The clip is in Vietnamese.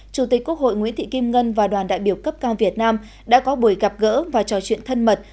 chủ tịch quốc hội nguyễn thị kim ngân và đoàn đại biểu cấp cao việt nam đã có buổi gặp gỡ và trò chuyện thân mật